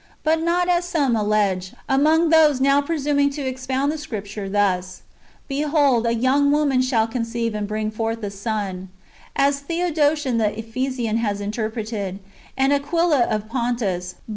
But not as some allege, among those now presuming to expound the Scrip ture, [thus :]" Behold, a young woman shall conceive, and bring forth a son,"' as Theodotion the Ephesian has inter preted, and Aquila of Pontus,^ both Jewish proselytes.